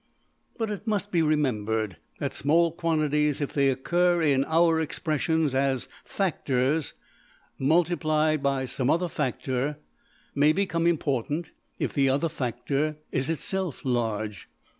But, it must be remembered, that small quantities if they occur in our expressions as factors multiplied by some other factor, may become important if the other factor is itself large.